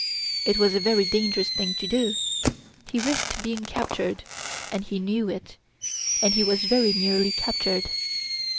It was a very dangerous thing to do. He risked being captured, and he knew it. And he was very nearly captured.